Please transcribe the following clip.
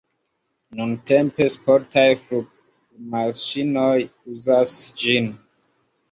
Nuntempe sportaj flugmaŝinoj uzas ĝin.